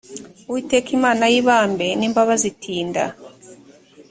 uwiteka imana y ibambe n imbabazi itinda